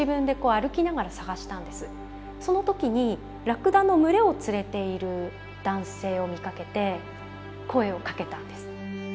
その時にラクダの群れを連れている男性を見かけて声をかけたんです。